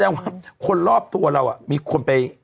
สัญญาว่าคนรอบตัวเรามีความไป